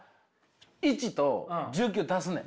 １と１９足すねん！